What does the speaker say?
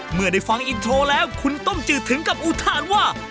เมื่อได้ฟังอินโทรแล้วคุณต้มจืดถึงกับอุทานว่า